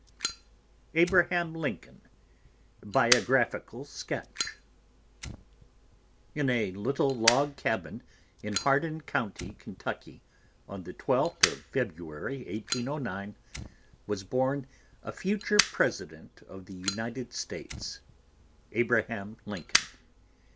ABRAHAM LINCOLN BIOGRAPHICAL SKETCH In a little log cabin in Hardin County, Kentucky, on the 12th of February, 1809, was born a future President of the United States, Abraham Lincoln.